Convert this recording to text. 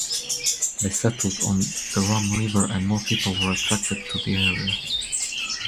They settled on the Rum River and more people were attracted to the area.